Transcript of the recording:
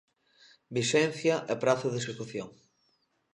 Vixencia e prazo de execución.